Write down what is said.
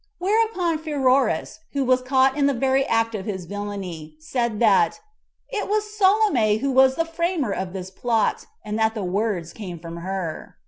Whereupon Pheroras, who was caught in the very act of his villainy, said that "it was Salome who was the framer of this plot, and that the words came from her."